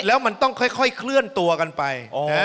แล้วมันต้องค่อยเคลื่อนตัวกันไป